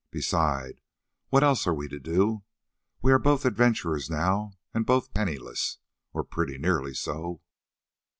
Besides, what else are we to do? We are both adventurers now, and both penniless, or pretty nearly so.